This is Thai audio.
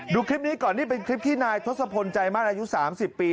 ดูคลิปนี้ก่อนนี่เป็นคลิปที่นายทศพลใจมั่นอายุ๓๐ปี